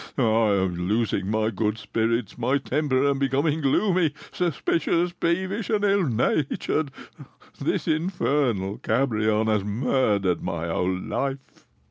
I am losing my good spirits, my temper, and becoming gloomy, suspicious, peevish, and ill natured. This infernal Cabrion has murdered my whole life!"